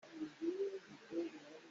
Atu ah si na din lio mi a um maw?